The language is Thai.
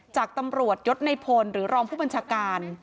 จากตำรวจยศในพลหรือรองผู้บัญชาการ